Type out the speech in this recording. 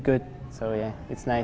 jadi ya ini bagus